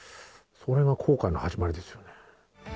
それが後悔の始まりですよね。